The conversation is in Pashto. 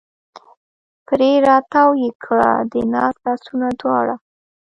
پرې را تاو یې کړه د ناز لاسونه دواړه